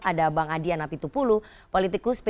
ada bang adian apitupulu politikus pdi berkata